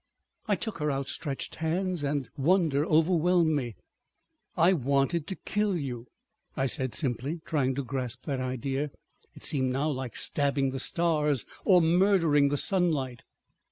I took her outstretched hand, and wonder overwhelmed me. "I wanted to kill you," I said simply, trying to grasp that idea. It seemed now like stabbing the stars, or murdering the sunlight.